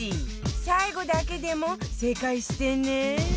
最後だけでも正解してね